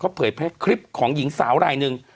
เผยแพร่คลิปของหญิงสาวรายหนึ่ง